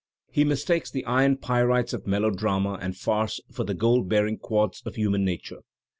He mistakes the iron pyrites of melodrama and farce for the gold bearing quartz of human nature.